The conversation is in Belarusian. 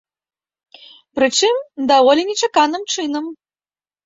Прычым, даволі нечаканым чынам.